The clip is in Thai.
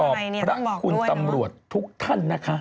พระคุณตำรวจทุกท่านนะคะ